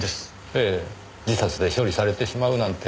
ええ自殺で処理されてしまうなんて。